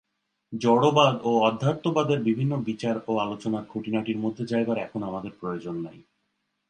জড়বাদ ও অধ্যাত্মবাদের বিভিন্ন বিচার ও আলোচনার খুঁটিনাটির মধ্যে যাইবার এখন আমাদের প্রয়োজন নাই।